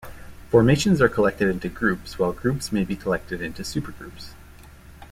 Formations are collected into "groups" while groups may be collected into "supergroups".